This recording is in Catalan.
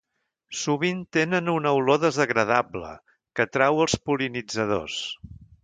Sovint tenen una olor desagradable, que atrau els pol·linitzadors.